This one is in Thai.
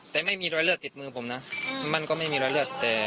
แต่ไม่มีรอยเลือดติดมือผมนะมันก็ไม่มีรอยเลือดแต่